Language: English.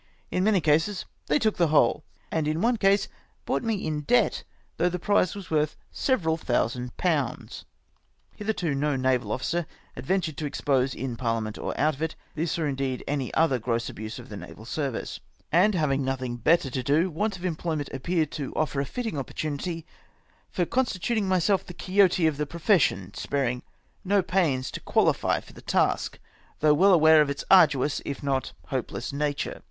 Li many cases they took the whole ! and in one case brought me in debt, though the prize was worth several thousand pounds ! Hitherto no naval officer had ventured to expose, in Parhament or out of it, this or indeed any other gross abuse of the naval service ; and havmg nothing better to do, w^ant of emplopnent appeared to offer a fitting opportumty for constituting myself the Quixote of the profession ; sparing no pains to cjuahfy for the task, though well aware (_)f its arduous, if not ho})eless nature NAVAL CORRUPTION.